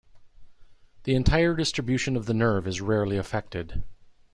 The entire distribution of the nerve is rarely affected.